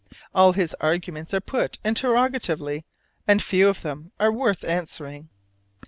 All his arguments are put interrogatively, and few of them are worth answering.